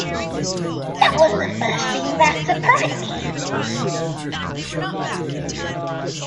That was the first thing that surprised me.